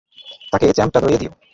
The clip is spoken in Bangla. তাকে চ্যাম্পটা ধরিয়ে দিও।